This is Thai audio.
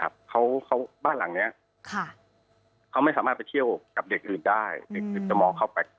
เขาบ้านหลังนี้เขาไม่สามารถไปเที่ยวกับเด็กอื่นได้เด็กอื่นจะมองเข้าไป